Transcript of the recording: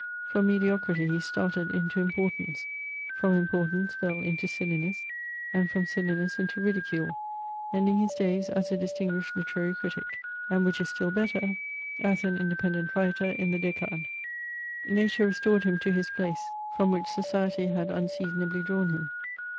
From mediocrity he started into importance, from importance fell into silliness, and from silliness into ridicule, ending his days as a distinguished literary critic, and which is still better, as an independent writer in the Dicade ; nature restored him to his place from which society had unseasonably drawn him.